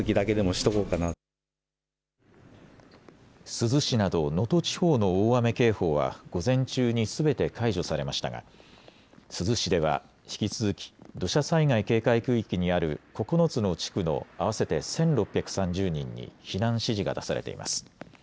珠洲市など能登地方の大雨警報は午前中にすべて解除されましたが珠洲市では引き続き土砂災害警戒区域にある９つの地区の合わせて１６３０人に避難指示が出されています。